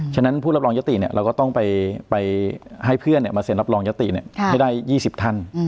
ฉะนั้นผู้รับรองยติเราก็ต้องไปให้เพื่อนมาเซ็นรับรองยติให้ได้๒๐ท่าน